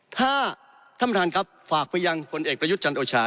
ถ้าท่านประธานครับฝากไปยังผลเอกประยุทธ์จันทร์โอชา